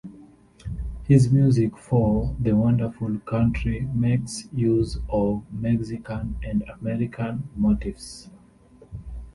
His music for "The Wonderful Country" makes use of Mexican and American motifs.